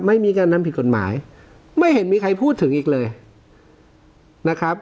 ไม่มีการนำผิดกฎหมายไม่เห็นมีใครพูดถึงอีกเลยนะครับ